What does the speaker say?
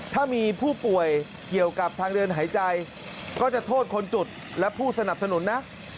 ถ้ามีผู้ป่วยเกี่ยวกับทางเดินหายใจก็จะโทษคนจุดและผู้สนับสนุนนะ